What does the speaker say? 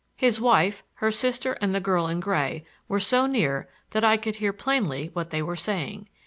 His wife, her sister and the girl in gray were so near that I could hear plainly what they were saying.